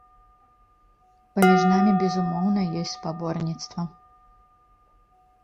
Паміж намі, безумоўна, ёсць спаборніцтва.